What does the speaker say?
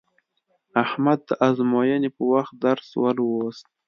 احمد د ازموینې په وخت درس ولوست.